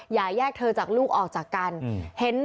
อย่าแยกเธอจากลูกออกจากกัน